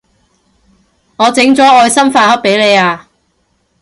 我整咗愛心飯盒畀你啊